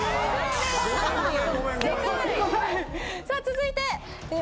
さあ続いて。